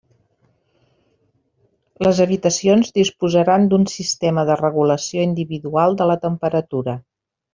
Les habitacions disposaran d'un sistema de regulació individual de la temperatura.